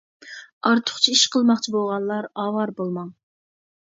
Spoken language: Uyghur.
ئارتۇقچە ئىش قىلماقچى بولغانلار ئاۋارە بولماڭ.